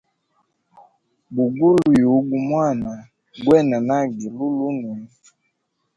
Bugula yugu mwana gwene nage lulunwe.